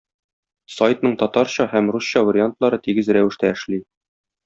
Сайтның татарча һәм русча вариантлары тигез рәвештә эшли.